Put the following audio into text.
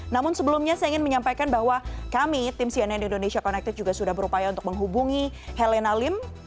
namun sebelumnya saya ingin menyampaikan bahwa kami tim cnn indonesia connected juga sudah berupaya untuk menghubungi helena lim